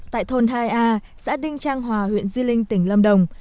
tại thôn hai a xã đinh trang hòa huyện di linh tỉnh lâm đồng